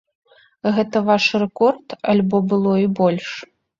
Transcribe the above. Гэта ваш рэкорд альбо было і больш?